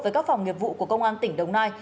với các phòng nghiệp vụ của công an tỉnh đồng nai